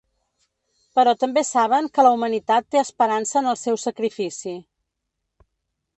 Però també saben que la humanitat té esperança en el seu sacrifici.